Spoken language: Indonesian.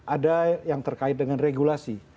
ada yang terkait dengan regulasi